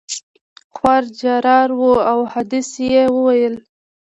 خورا جرار وو او احادیث یې ویل.